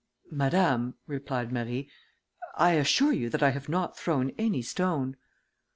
"Madame," replied Marie, "I assure you that I have not thrown any stone."